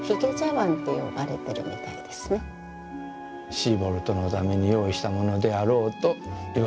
シーボルトのために用意したものであろうといわれてあります。